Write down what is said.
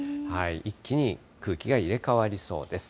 一気に空気が入れ代わりそうです。